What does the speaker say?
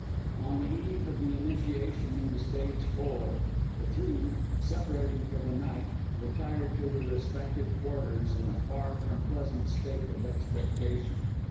On the eve of the initiation into stage four, the three, separating for the night, retired to their respective quarters in a far from pleasant state of expectation.